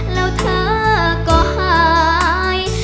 แล้วเธอก็หาย